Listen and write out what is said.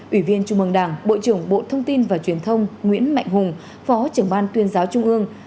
ủy viên trung mương đảng bộ trưởng bộ thông tin và truyền thông nguyễn mạnh hùng phó trưởng ban tuyên giáo trung ương